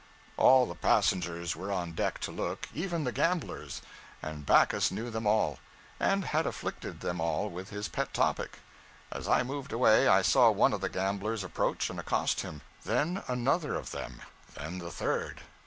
All the passengers were on deck to look even the gamblers and Backus knew them all, and had afflicted them all with his pet topic. As I moved away, I saw one of the gamblers approach and accost him; then another of them; then the third.